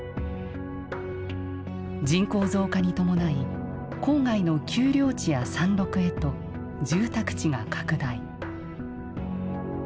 人口増加に伴い、郊外の丘陵地や山麓へと住宅地が拡大。